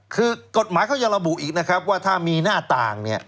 คือกฎหมายเขายังระบุอีกนะครับว่าถ้ามีหน้าต่างเนี่ย